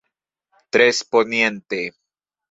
Tres Poniente.